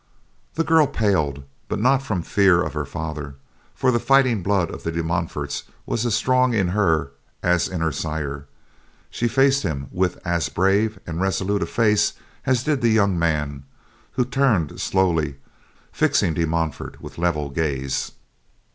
The girl paled, but not from fear of her father, for the fighting blood of the De Montforts was as strong in her as in her sire. She faced him with as brave and resolute a face as did the young man, who turned slowly, fixing De Montfort with level gaze.